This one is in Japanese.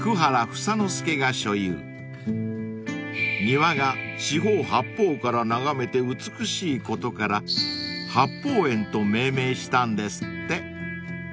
［庭が四方八方から眺めて美しいことから八芳園と命名したんですって］